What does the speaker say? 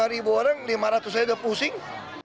lima ribu orang lima ratus saja udah pusing